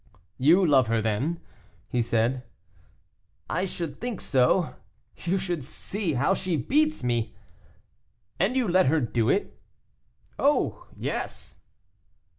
"You love her, then?" he said. "I should think so; you should see how she beats me." "And you let her do it?" "Oh! yes."